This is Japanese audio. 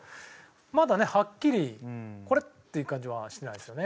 まだねはっきりこれっていう感じはしないですよね。